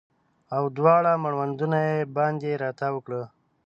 او دواړه مړوندونه یې باندې راتاو کړه